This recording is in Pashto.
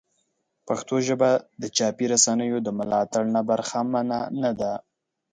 پښتو ژبه د چاپي رسنیو د ملاتړ نه برخمنه نه ده.